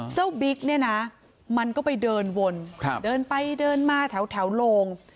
เจ้าบิ๊กมันก็ไปเดินวนเดินไปเดินมาแถวโลง